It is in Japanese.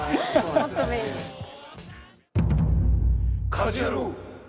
『家事ヤロウ！！！』。